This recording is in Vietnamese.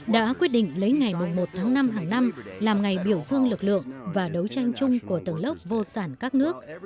đã quyết định lấy ngày một tháng năm hàng năm làm ngày biểu dương lực lượng và đấu tranh chung của tầng lớp vô sản các nước